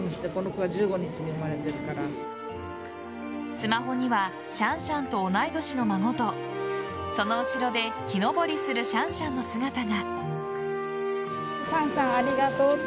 スマホにはシャンシャンと同い年の孫とその後ろで木登りするシャンシャンの姿が。